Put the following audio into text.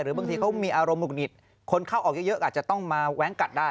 บางทีเขามีอารมณ์หุดหงิดคนเข้าออกเยอะอาจจะต้องมาแว้งกัดได้